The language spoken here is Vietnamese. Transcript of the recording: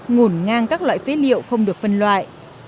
ngổn ngang các loại phế liệu không được phân loại